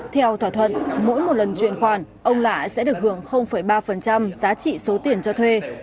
theo thỏa thuận mỗi một lần chuyển khoản ông lạ sẽ được hưởng ba giá trị số tiền cho thuê